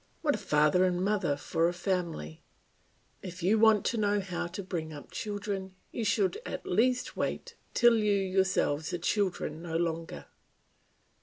What a father and mother for a family! If you want to know how to bring up children, you should at least wait till you yourselves are children no longer.